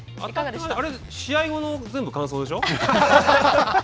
あれ、試合後の全部感想でしょう？